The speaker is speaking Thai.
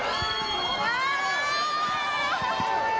สวัสดีครับสวัสดีครับ